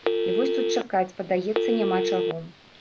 І вось тут чакаць, падаецца, няма чаго.